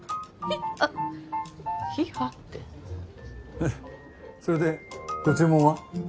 えそれでご注文は？